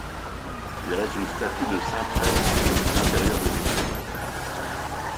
Il reste une statue de saint Pregts à l’intérieur de l’église.